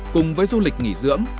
cùng với du lịch nghỉ dưỡng